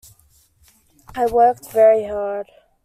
I worked very hard.